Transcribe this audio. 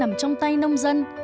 đang nằm trong tay nông dân